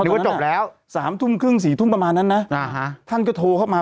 ว่าจบแล้วสามทุ่มครึ่ง๔ทุ่มประมาณนั้นนะท่านก็โทรเข้ามา